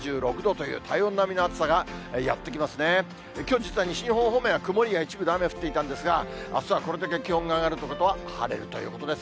きょう、実は西日本方面では、曇りや一部で雨が降っていたんですが、あすはこれだけ気温が上がるということは、晴れるということです。